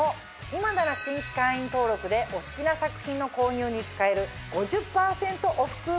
今なら新規会員登録でお好きな作品の購入に使える。